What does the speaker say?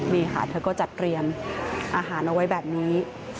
นี่ค่ะเธอก็จัดเตรียมอาหารเอาไว้แบบนี้